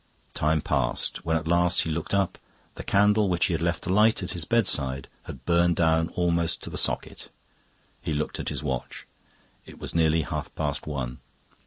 Time passed. When at last he looked up, the candle which he had left alight at his bedside had burned down almost to the socket. He looked at his watch; it was nearly half past one.